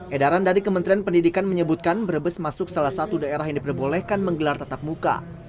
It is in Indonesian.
edaran dari kementerian pendidikan menyebutkan brebes masuk salah satu daerah yang diperbolehkan menggelar tatap muka